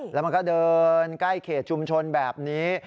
แล้วมันก็เดินใกล้เขตชุมชนแบบนี้